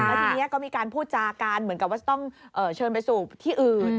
แล้วทีนี้ก็มีการพูดจากันเหมือนกับว่าจะต้องเชิญไปสู่ที่อื่น